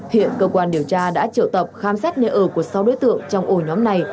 hiện cơ quan điều tra đã triệu tập khám xét nơi ở của sáu đối tượng trong ổ nhóm này